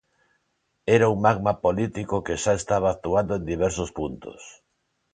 Era un magma político que xa estaba actuando en diversos puntos.